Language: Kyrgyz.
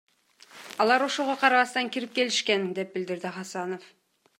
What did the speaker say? Алар ошого карабастан кирип келишкен, — деп билдирди Хасанов.